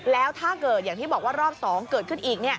แล้วถ้าเกิดอย่างที่บอกว่ารอบ๒เกิดขึ้นอีก